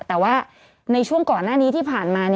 แต่ว่าในช่วงก่อนหน้านี้ที่ผ่านมา